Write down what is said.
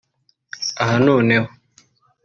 Aha noneho